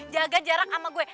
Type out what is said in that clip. jaga jarak sama gue